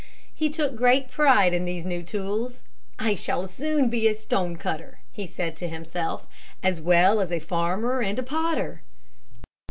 He took great pride in these new tools. "I shall soon be a stone cutter," he said to himself, "as well as a farmer and potter."